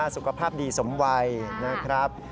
สุขภาพดีสมวัยนะครับ